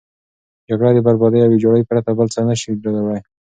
جګړه د بربادي او ویجاړي پرته بل څه نه شي راوړی.